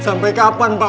sampai kapan pak